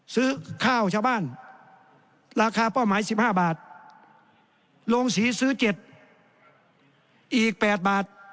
ซื้อข้าวชาวบ้านราคาเป้าหมาย๑๕บาทโรงศรีซื้อ๗อีก๘บาท